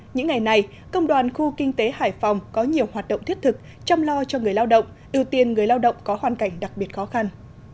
những ngày này công đoàn khu kinh tế hải phòng có nhiều hoạt động thiết thực chăm lo cho người lao động ưu tiên người lao động có hoàn cảnh đặc biệt khó khăn